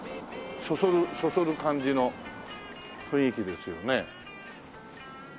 そそるそそる感じの雰囲気ですよね。